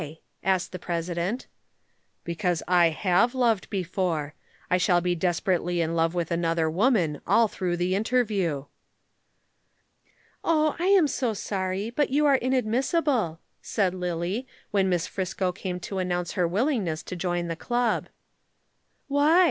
asked the President. "Because I have loved before. I shall be desperately in love with another woman all through the interview." "Oh, I am so sorry, but you are inadmissible," said Lillie, when Miss Friscoe came to announce her willingness to join the Club. "Why?"